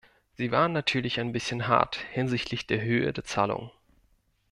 Sie waren natürlich ein bisschen hart hinsichtlich der Höhe der Zahlungen.